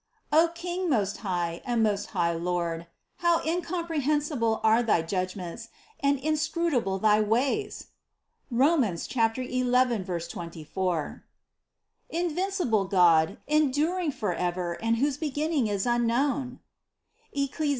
26. O King, most high and most wise Lord: How incomprehensible are thy judgments, and inscrutable thy ways (Rom. 11, 24)! Invincible God, enduring for ever and whose beginning is unknown (Eccli.